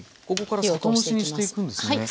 ここから酒蒸しにしていくんですね？